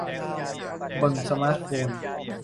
บนสมาร์ตโฟน